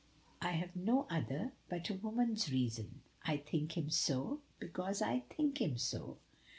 "I have no other but a woman's reason: I think him so, because I think him so."